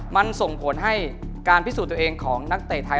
มันส่งผลให้การพิสูจน์ตัวเองของนักเตะไทย